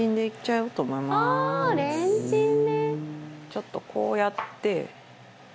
ちょっとこうやって。